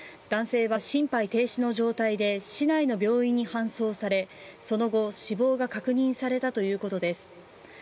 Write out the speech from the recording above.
男性は心肺停止の状態で市内の病院に搬送されその後、死亡が確認されたということです。